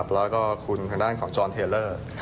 แล้วก็คุณทางด้านของจอนเทลเลอร์